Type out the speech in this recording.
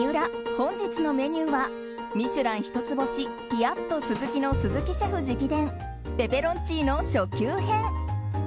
本日のメニューは「ミシュラン」一つ星ピアットスズキの鈴木シェフ直伝ペペロンチーノ初級編。